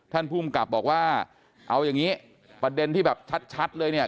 ภูมิกับบอกว่าเอาอย่างนี้ประเด็นที่แบบชัดเลยเนี่ย